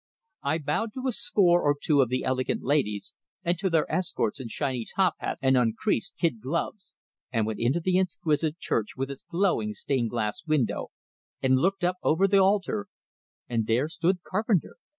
I bowed to a score or two of the elegant ladies, and to their escorts in shiny top hats and uncreased kid gloves, and went into the exquisite church with its glowing stained glass window, and looked up over the altar and there stood Carpenter!